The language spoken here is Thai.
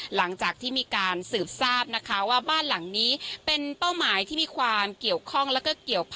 หลังจากที่มีการสืบทราบนะคะว่าบ้านหลังนี้เป็นเป้าหมายที่มีความเกี่ยวข้องแล้วก็เกี่ยวกับ